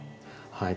はい。